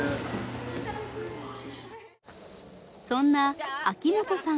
そんな秋元さん